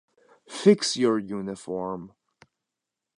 Fix your uniform!